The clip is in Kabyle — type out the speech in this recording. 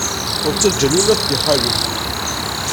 Ur ttaǧǧan yiwen ad ten-ixalef.